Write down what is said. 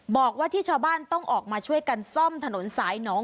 บอกว่าที่ชาวบ้านต้องออกมาช่วยกันซ่อมถนนสายหนอง